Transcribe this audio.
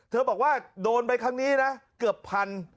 บอกว่าโดนไปครั้งนี้นะเกือบพัน